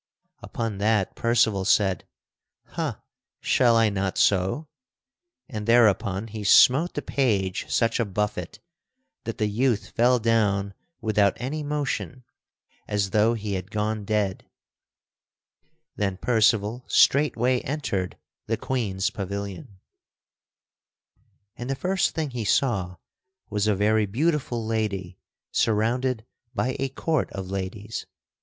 Upon that Percival said, "Ha! shall I not so?" And thereupon he smote the page such a buffet that the youth fell down without any motion, as though he had gone dead. Then Percival straightway entered the Queen's pavilion. [Sidenote: Percival beholdeth Queen Guinevere] And the first thing he saw was a very beautiful lady surrounded by a court of ladies.